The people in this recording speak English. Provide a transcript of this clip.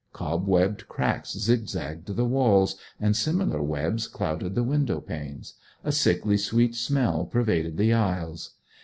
Cobwebbed cracks zigzagged the walls, and similar webs clouded the window panes. A sickly sweet smell pervaded the aisles.